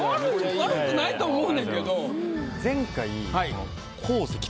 悪くないと思うねんけど。